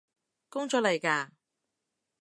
工作嚟嘎？